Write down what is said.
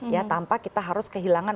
ya tanpa kita harus kehilangan